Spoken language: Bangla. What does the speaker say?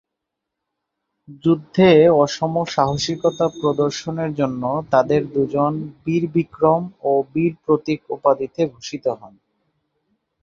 যুদ্ধে অসম সাহসিকতা প্রদর্শনের জন্য তাদের দুজন ‘বীরবিক্রম’ ও ‘বীরপ্রতীক’ উপাধিতে ভূষিত হন।